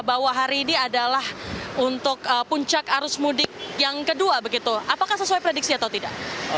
bahwa hari ini adalah untuk puncak arus mudik yang kedua begitu apakah sesuai prediksi atau tidak